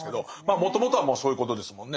もともとはもうそういうことですもんね。